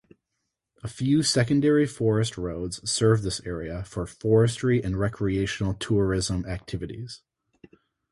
A few secondary forest roads serve this area for forestry and recreational tourism activities.